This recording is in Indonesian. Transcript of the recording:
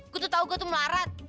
aku tuh tau gue tuh melarat